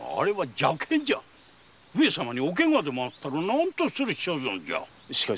上様におケガでもあったら何とする所存じゃ。